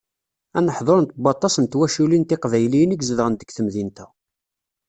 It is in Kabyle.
Aneḥḍur n waṭas n twaculin tiqbayliyin i izedɣen deg temdint-a.